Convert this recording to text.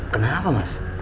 kenal apa mas